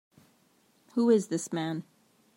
Who is this man?